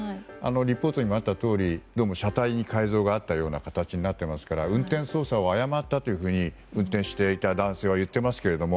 リポートにもあったとおりどうも車体に改造があったような形になっていますから運転操作を誤ったと運転していた男性は言っていますけれども。